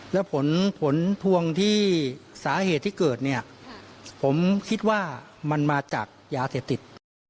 และผลผลพวงที่สาเหตุที่เกิดเนี่ยผมคิดว่ามันมาจากยาเสพติด